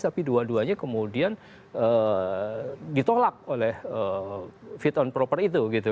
tapi dua duanya kemudian ditolak oleh fit and proper itu gitu